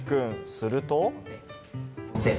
すると。